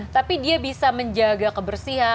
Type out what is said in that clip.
tapi dia bisa menjaga kebersihan